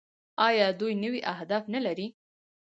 آیا دوی نوي اهداف نلري؟